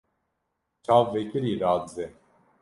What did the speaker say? Çav vekirî radizê.